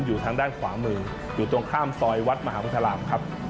อยู่ทางด้านขวามืออยู่ตรงข้ามซอยวัดมหาวุฒรามครับ